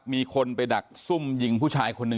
มีคนไปดักซุ่มยิงผู้ชายคนหนึ่ง